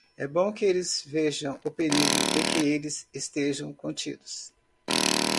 É bom que eles vejam o perigo e que eles estejam contidos.